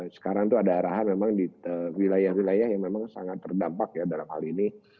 sekarang itu ada arahan memang di wilayah wilayah yang memang sangat terdampak ya dalam hal ini